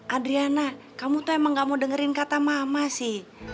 adriana kamu tuh emang gak mau dengerin kata mama sih